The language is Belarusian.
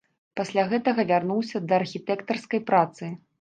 Пасля гэтага вярнуўся да архітэктарскай працы.